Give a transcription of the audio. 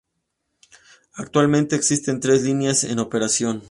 Actualmente, existen tres líneas en operación.